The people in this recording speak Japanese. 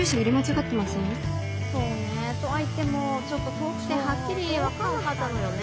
そうねえ。とは言ってもちょっと遠くてはっきり分かんなかったのよね